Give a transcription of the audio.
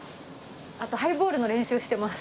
あとハイボールの練習してます